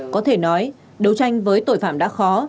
có thể nói đấu tranh với tội phạm đã khó